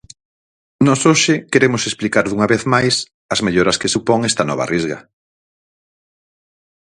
Nós hoxe queremos explicar, unha vez máis, as melloras que supón esta nova Risga.